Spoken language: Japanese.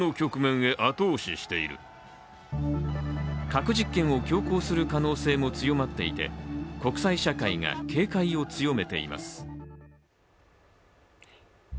核実験を強行する可能性も強まっていて、国際社会が警戒を強めています。